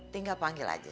tinggal panggil aja